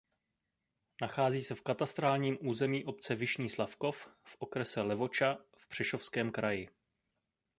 Nachází se v katastrálním území obce Vyšný Slavkov v okrese Levoča v Prešovském kraji.